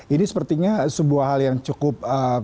ini sepertinya sebuah hal yang cukup